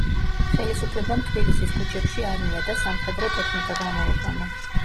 ხელისუფლებამ თბილისის ქუჩებში არმია და სამხედრო ტექნიკა გამოიყვანა.